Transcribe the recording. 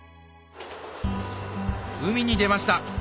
海に出ました